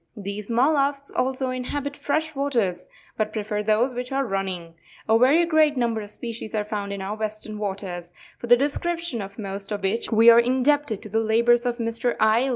These mollusks also inhabit fresh waters, but prefer those which are running. A very great num ber of species are found in our Western waters, for the descrip tion of most of which we are indebted to the labours of Mr. I.